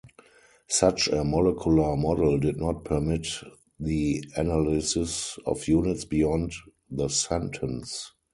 Such a molecular model did not permit the analysis of units beyond the sentence.